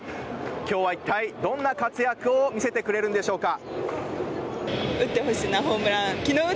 今日は一体どんな活躍を見せてくれるんでしょうか。